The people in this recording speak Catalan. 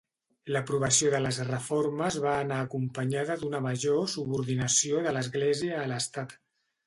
L'aprovació de les reformes va anar acompanyada d'una major subordinació de l'Església a l'estat.